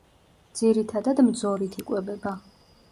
ძირითადად მძორით იკვებება.